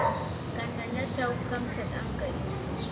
kanalachaw kamtsata ankay.